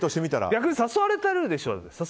逆に誘われてるでしょ？